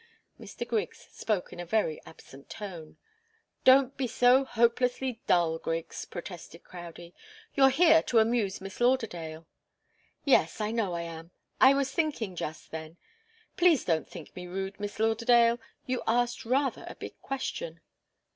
Mr. Griggs spoke in a very absent tone. "Don't be so hopelessly dull, Griggs!" protested Crowdie. "You're here to amuse Miss Lauderdale." "Yes I know I am. I was thinking just then. Please don't think me rude, Miss Lauderdale. You asked rather a big question."